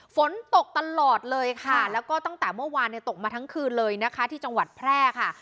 ฝนตกตลอดเลยค่ะแล้วก็ตั้งแต่เมื่อวานเนี่ยตกมาทั้งคืนเลยนะคะที่จังหวัดแพร่ค่ะ